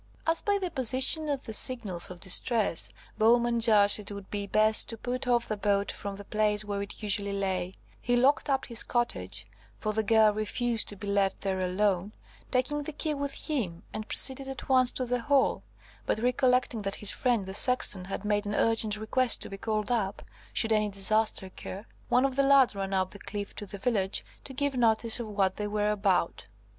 As by the position of the signals of distress, Bowman judged it would be best to put off the boat from the place where it usually lay, he locked up his cottage, (for the girl refused to be left there alone,) taking the key with him, and proceeded at once to the Hall; but recollecting that his friend, the sexton, had made an urgent request to be called up, should any disaster occur, one of the lads ran up the cliff to the village, to give notice of what they were about.